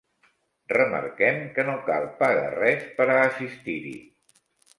Remarquem que no cal pagar res per a assistir-hi.